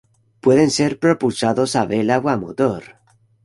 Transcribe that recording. Pueden ser propulsados a vela o a motor.